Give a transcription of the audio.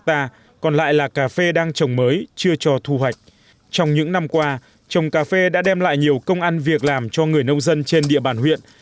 trong những năm qua trồng cà phê đã đem lại nhiều công ăn việc làm cho người nông dân trên địa bàn huyện